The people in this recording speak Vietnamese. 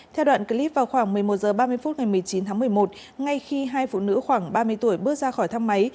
theo đoạn clip vào khoảng một mươi một h ba mươi phút ngày một mươi chín tháng một mươi một ngay khi hai phụ nữ khoảng ba mươi tuổi bước ra khỏi thang máy